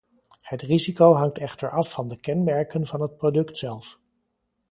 Het risico hangt echter af van de kenmerken van het product zelf.